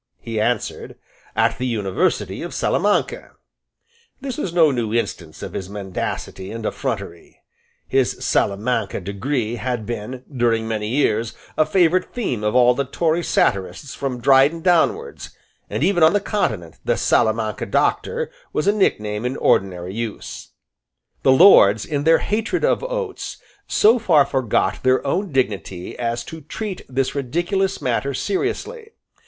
He answered, "At the university of Salamanca." This was no new instance of his mendacity and effrontery. His Salamanca degree had been, during many years, a favourite theme of all the Tory satirists from Dryden downwards; and even on the Continent the Salamanca Doctor was a nickname in ordinary use, The Lords, in their hatred of Oates, so far forgot their own dignity as to treat this ridiculous matter seriously.